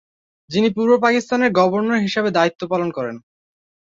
যিনি পূর্ব পাকিস্তানের গভর্নর হিসাবে দায়িত্ব পালন করেন।